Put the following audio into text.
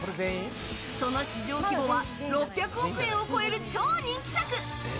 その市場規模は６００億円を超える超人気作。